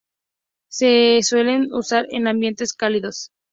Se suelen usar en ambientes cálidos.